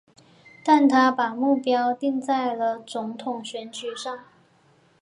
但他把目标定在了总统选举上。